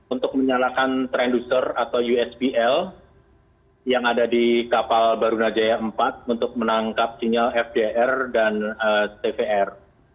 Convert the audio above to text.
untuk menyalakan trenduser atau usbl yang ada di kapal barunajaya empat untuk menangkap sinyal fdr dan tvr